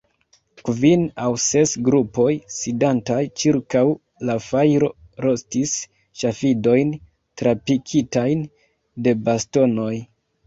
Kvin aŭ ses grupoj, sidantaj ĉirkaŭ la fajro, rostis ŝafidojn trapikitajn de bastonoj.